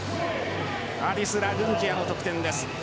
アディス・ラグンジヤの得点です。